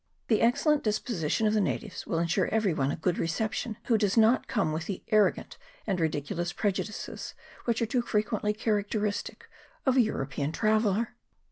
The excellent disposition of the natives will ensure every one a good reception who does not come with the arrogant and ridiculous prejudices which are too frequently characteristic of a European traveller.